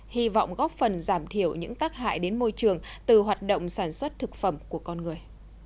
hy vọng góp phần giảm thiểu những tác hại đến môi trường từ hoạt động sản xuất thực phẩm của con người